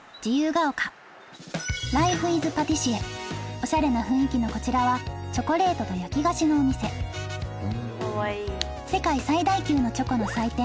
オシャレな雰囲気のこちらはチョコレートと焼き菓子のお店世界最大級のチョコの祭典